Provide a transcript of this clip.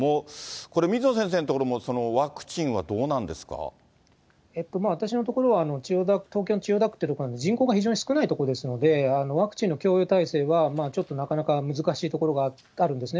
これ、水野先生の所もワクチンは私の所は、千代田区、東京の千代田区っていうところなんで、人口が非常に少ない所ですので、ワクチンの供与体制は、ちょっとなかなか難しいところがあるんですね。